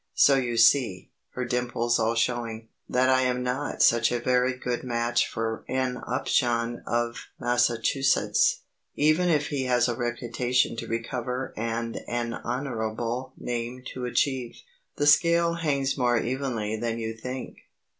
So you see," her dimples all showing, "that I am not such a very good match for an Upjohn of Massachusetts, even if he has a reputation to recover and an honourable name to achieve. The scale hangs more evenly than you think."